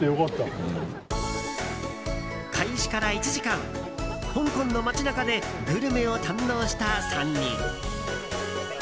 開始から１時間、香港の街中でグルメを堪能した３人。